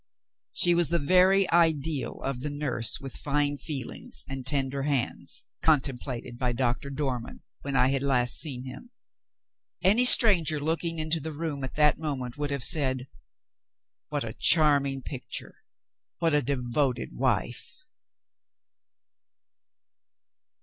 She was the very ideal of the nurse with fine feelings and tender hands, contemplated by Doctor Dormann when I had last seen him. Any stranger looking into the room at that moment would have said, "What a charming picture! What a devoted wife!"